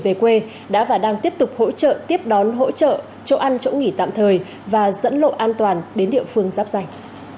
về quê đã và đang tiếp tục hỗ trợ tiếp đón hỗ trợ chỗ ăn chỗ nghỉ tạm thời và dẫn lộ an toàn đến địa phương giáp danh